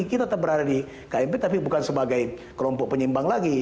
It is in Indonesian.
kita tetap berada di kmp tapi bukan sebagai kelompok penyimbang lagi